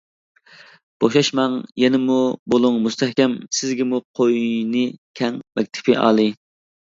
بوشاشماڭ يەنىمۇ بولۇڭ مۇستەھكەم، سىزگىمۇ قوينى كەڭ مەكتىپى ئالىي.